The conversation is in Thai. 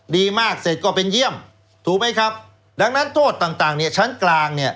ดีมากเสร็จก็เป็นเยี่ยมถูกไหมครับดังนั้นโทษต่างเนี่ยชั้นกลางเนี่ย